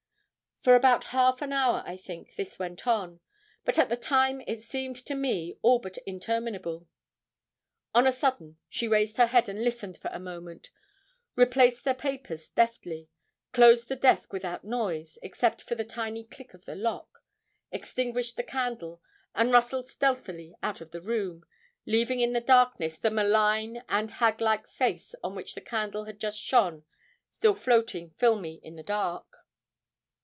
For about half an hour, I think, this went on; but at the time it seemed to me all but interminable. On a sudden she raised her head and listened for a moment, replaced the papers deftly, closed the desk without noise, except for the tiny click of the lock, extinguished the candle, and rustled stealthily out of the room, leaving in the darkness the malign and hag like face on which the candle had just shone still floating filmy in the dark.